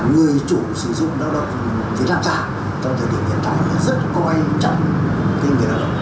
người chủ sử dụng lao động việt nam già trong thời tiết hiện tại rất quan trọng kinh doanh lao động